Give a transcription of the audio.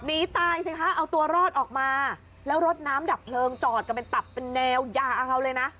หนีตายสิคะเอาตัวรอดออกมาแล้วรถน้ำดับเพลิงจอดกันเป็นตับเป็นแนวยาวเอาเลยนะ